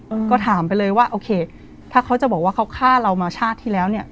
อืมก็ถามไปเลยว่าโอเคถ้าเขาจะบอกว่าเขาฆ่าเรามาชาติที่แล้วเนี้ย